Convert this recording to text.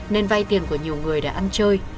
nên vay tiền của nhiều người để ăn chơi